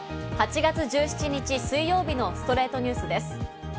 ８月１７日、水曜日の『ストレイトニュース』です。